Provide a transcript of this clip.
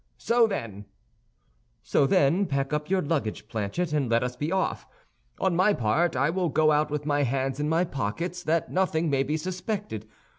So then—" "So then, pack up our luggage, Planchet, and let us be off. On my part, I will go out with my hands in my pockets, that nothing may be suspected.